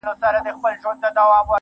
ستا د هيندارو په لاسونو کي به ځان ووينم,